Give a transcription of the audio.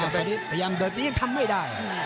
พยายามเดินไปยังทำไม่ได้